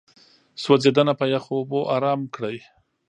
سوځېدنه په يخو اوبو آرام کړئ.